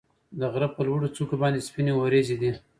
د غره په لوړو څوکو باندې سپینې وريځې دي.